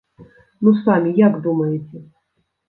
Ну самі як думаеце?